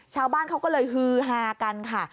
ชาวบ้านเขาก็เลยฮือฮากันค่ะ